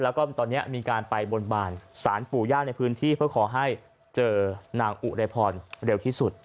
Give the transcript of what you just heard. แล้วก็ตอนนี้มีการไปบนบานสารปู่ย่าในพื้นที่เพื่อขอให้เจอนางอุไรพรเร็วที่สุด